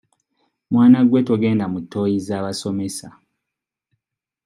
Mwana gwe togenda mu ttooyi z'abasomesa.